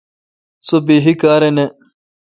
سو بحی کار نہ۔